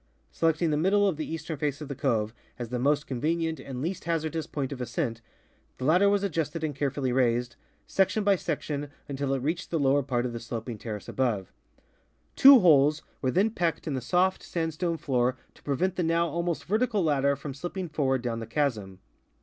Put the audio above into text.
Selecting the middle of the eastern face of the cove as the most convenient and least hazardous point of ascent, the ladder was adjusted and carefully raised, section by section, until it reached the lower part of the sloping terrace above. Two holes were then pecked in the soft sandstone floor to prevent the now almost vertical ladder from slipping forward down the chasm.